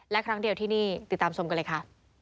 และครั้งเดียวที่นี่ติดตามชมกันเลยค่ะ